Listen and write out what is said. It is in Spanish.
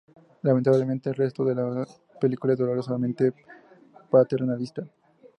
Lamentablemente el resto de la película es dolorosamente paternalista".